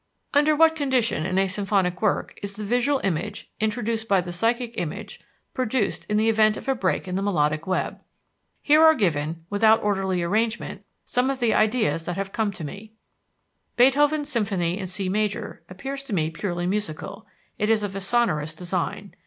"Under what condition, in a symphonic work, is the visual image, introduced by the psychic image, produced? In the event of a break in the melodic web (see my Psychologie dans l'Opéra, pp. 119 120). Here are given, without orderly arrangement, some of the ideas that have come to me: "Beethoven's symphony in C major appears to me purely musical it is of a sonorous design.